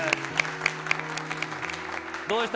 どうでした？